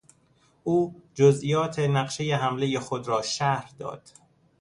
او جزئیات نقشهی حملهی خود را شرح داد.